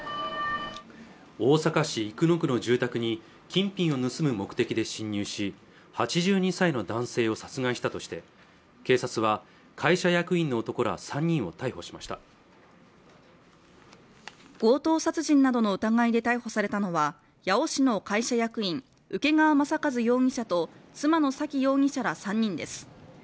大阪市生野区の住宅に金品を盗む目的で侵入し８２歳の男性を殺害したとして警察は会社役員の男ら３人を逮捕しました強盗殺人などの疑いで逮捕されたのは八尾市の会社役員請川正和容疑者と妻の左稀容疑者ら３人です